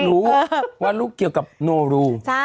รู้ว่าลูกเกี่ยวกับโนรู